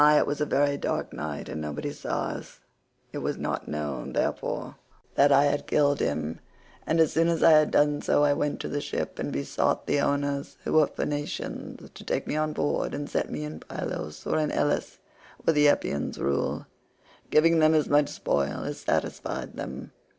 It was a very dark night and nobody saw us; it was not known, therefore, that I had killed him, but as soon as I had done so I went to a ship and besought the owners, who were Phoenicians, to take me on board and set me in Pylos or in Elis where the Epeans rule, giving them as much spoil as satisfied them.